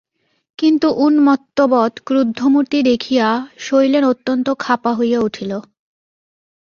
কিন্তু উন্মত্তবৎ ক্রুদ্ধমূর্তি দেখিরা শৈলেন অত্যন্ত ক্ষাপা হইয়া উঠিল।